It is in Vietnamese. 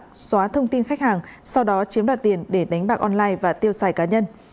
đã xóa thông tin khách hàng sau đó chiếm đoạt tiền để đánh bạc online và tiêu xài cá nhân